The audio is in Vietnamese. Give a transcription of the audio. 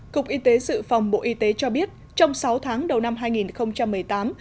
cục y tế dự phòng bộ y tế cho biết trong sáu tháng đầu năm hai nghìn một mươi tám